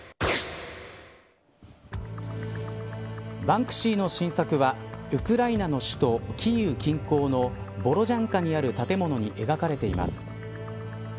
バンクシーの新作はウクライナの首都キーウ近郊のボロジャンカにある建物に描かれています。